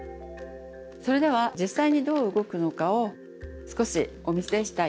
それでは実際にどう動くのかを少しお見せしたいと思います。